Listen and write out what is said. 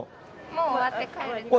もう終わって帰ります。